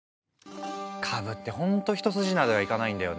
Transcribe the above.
株ってほんと一筋縄ではいかないんだよね。